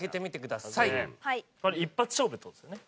一発勝負ってことですよね。